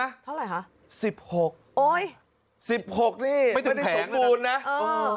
เท่าไหร่คะสิบหกโอ้ยสิบหกนี่ไม่ทันได้สมบูรณ์นะเออ